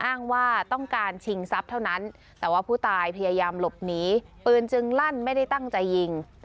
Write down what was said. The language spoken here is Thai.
อ้างว่าต้องการชิงทรัพย์เท่านั้นแต่ว่าผู้ตายพยายามหลบหนีปืนจึงลั่นไม่ได้ตั้งใจยิง